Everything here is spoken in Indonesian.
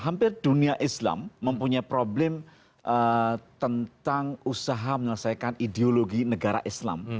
hampir dunia islam mempunyai problem tentang usaha menyelesaikan ideologi negara islam